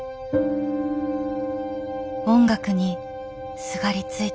音楽にすがりついた。